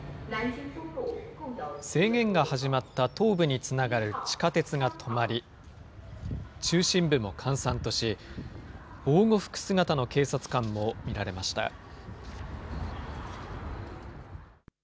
制限が始まった東部につながる地下鉄が止まり、中心部も閑散とし、防護服姿の警察官も見られました。